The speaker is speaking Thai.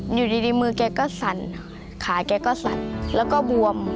อยู่ดีมือแกก็สั่นขาแกก็สั่นแล้วก็บวม